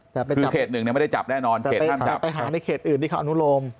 คือเขตหนึ่งเนี่ยไม่ได้จับแน่นอนเขตห้ามจับไปหาในเขตอื่นที่เขาอนุโลม